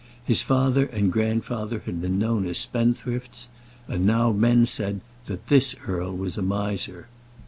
His father and grandfather had been known as spendthrifts; and now men said that this earl was a miser.